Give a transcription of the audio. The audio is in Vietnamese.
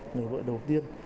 người vợ đầu tiên